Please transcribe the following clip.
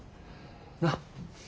なっ。